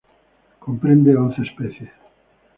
Comprende once especies.